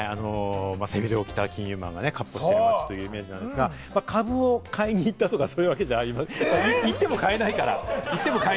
背広を着た金融マンが闊歩してるというイメージなんですが、株を買いに行ったとかそういうことじゃなくて、行っても買えないから！